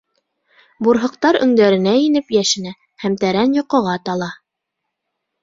Бурһыҡтар өңдәренә инеп йәшенә һәм тәрән йоҡоға тала.